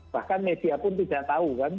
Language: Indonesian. bahkan media pun tidak tahu kan